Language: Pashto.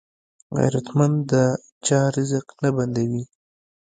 غیرتمند د چا رزق نه بندوي